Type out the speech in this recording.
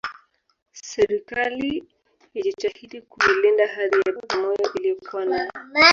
Serikali ijitahidi kuilinda hadhi ya Bagamoyo iliyokuwa nayo